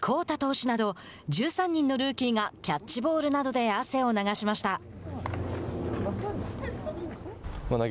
太投手など１３人のルーキーがキャッチボールなどで汗を流しました。